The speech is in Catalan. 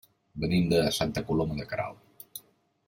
Venim de Santa Coloma de Queralt.